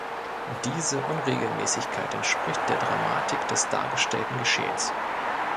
Diese Unregelmäßigkeit entspricht der Dramatik des dargestellten Geschehens.